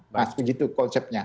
mas begitu konsepnya